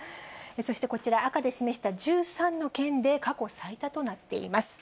そしてこちら、赤で示した１３の県で過去最多となっています。